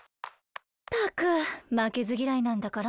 ったくまけずぎらいなんだから。